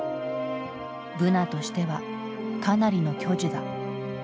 ブナとしてはかなりの巨樹だ。